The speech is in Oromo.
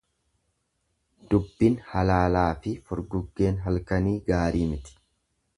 Dubbin halaalaafi furguggeen halkanii gaarii miti.